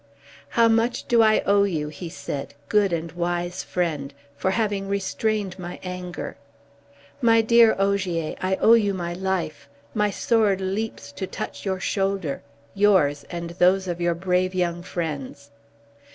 "How much do I owe you," he said, "good and wise friend, for having restrained my anger! My dear Ogier! I owe you my life! My sword leaps to touch your shoulder, yours and those of your brave young friends."